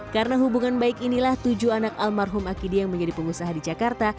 karena hubungan baik inilah tujuh anak almarhum akiditio yang menjadi pengusaha di jakarta